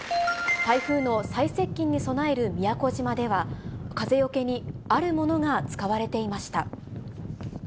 台風の再接近に備える宮古島風よけにあるものが使われていました。